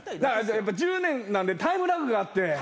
１０年なんでタイムラグがあって。